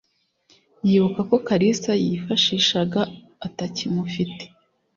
yibuka ko kalisa yifashishaga atakimufite..